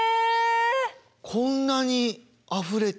こんなにあふれて。